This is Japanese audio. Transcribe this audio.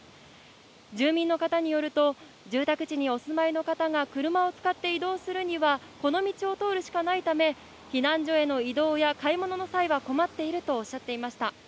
住民の方によると、住宅地にお住まいの方が車を使って移動するには、この道を通るしかないため、避難所への移動や買い物の際は困っているとおっしゃっていました。